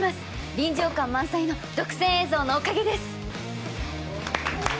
臨場感満載の独占映像のおかげです